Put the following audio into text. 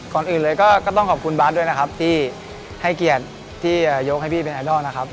ก่อนอื่นเลยก็ต้องขอบคุณบาสด้วยนะครับที่ให้เกียรติที่ยกให้พี่เป็นไอดอลนะครับ